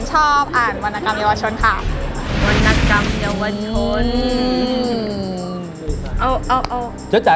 ชอบอ่านวนกรรมไลน์วัชฌนศ์ค่ะ